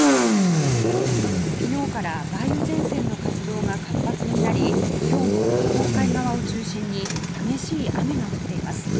昨日から梅雨前線の活動が活発になり今日も日本海側を中心に激しい雨が降っています。